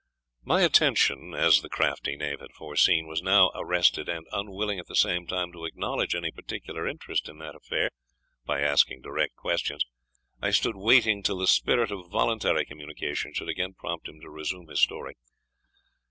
My attention, as the crafty knave had foreseen, was now arrested, and unwilling, at the same time, to acknowledge any particular interest in that affair, by asking direct questions, I stood waiting till the spirit of voluntary communication should again prompt him to resume his story.